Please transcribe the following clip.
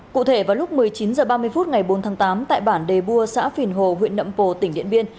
cụ thể vào lúc một mươi chín h ba mươi phút ngày bốn tháng tám tại bản đề bua xã phìn hồ huyện nậm pồ tỉnh điện biên